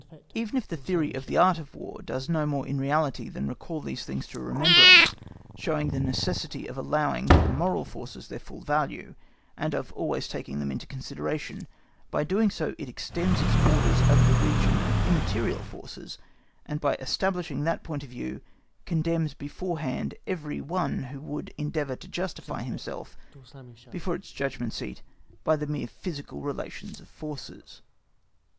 Even if the theory of the Art of War does no more in reality than recall these things to remembrance, showing the necessity of allowing to the moral forces their full value, and of always taking them into consideration, by so doing it extends its borders over the region of immaterial forces, and by establishing that point of view, condemns beforehand every one who would endeavour to justify himself before its judgment seat by the mere physical relations of forces.